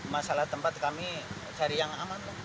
masalah tempat kami cari yang aman